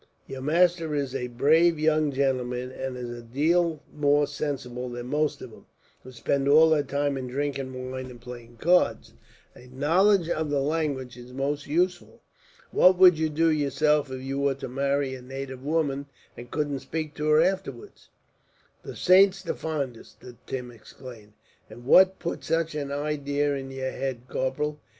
Your master is a brave young gentleman, and is a deal more sensible than most of them, who spend all their time in drinking wine and playing cards. A knowledge of the language is most useful. What would you do, yourself, if you were to marry a native woman, and couldn't speak to her afterwards." "The saints defind us!" Tim exclaimed; "and what put such an idea in yer head, Corporal?